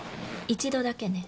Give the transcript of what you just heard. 一度だけね。